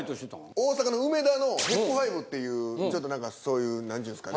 大阪の梅田のＨＥＰＦＩＶＥっていうちょっと何かそういう何ちゅうんっすかね。